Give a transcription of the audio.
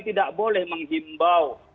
tidak boleh menghimbau